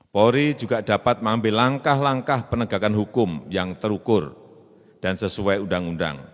polri juga dapat mengambil langkah langkah penegakan hukum yang terukur dan sesuai undang undang